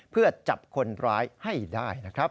เพื่อจับคนร้ายให้ได้นะครับ